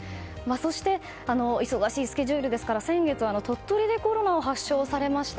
そして忙しいスケジュールですから先月鳥取でコロナを発症されました。